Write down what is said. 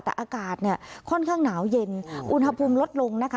แต่อากาศเนี่ยค่อนข้างหนาวเย็นอุณหภูมิลดลงนะคะ